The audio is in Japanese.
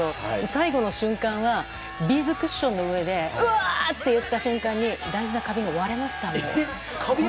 最後の瞬間はビーズクッションの上でうわー！といった瞬間に大事な花瓶が割れました。